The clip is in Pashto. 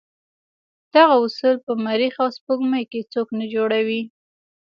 دغه اصول په مریخ او سپوږمۍ کې څوک نه جوړوي.